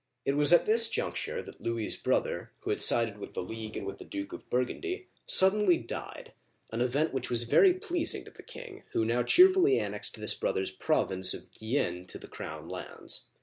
It was at this juncture that Louis's brother, who had sided with the League and with the Duke of Burgundy, suddenly died, an event which was very pleasing to the king, who now cheerfully annexed this brother's province of Guienne to the crown lands.